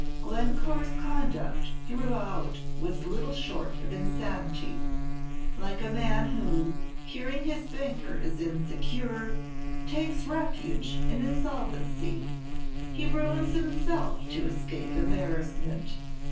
"Glencore's conduct throughout was little short of insanity; like a man who, hearing his banker is insecure, takes refuge in insolvency, he ruins himself to escape embarrassment.